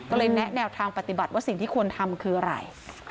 ก็เลยแนะแนวทางปฏิบัติว่าสิ่งที่ควรทำคืออะไร